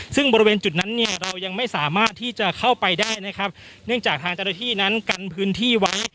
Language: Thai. ซึ่งบริเวณจุดนั้นเนี่ยเรายังไม่สามารถที่จะเข้าไปได้นะครับเนื่องจากทางเจ้าหน้าที่นั้นกันพื้นที่ไว้